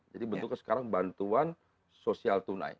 jadi bentuknya sekarang bantuan sosial tunai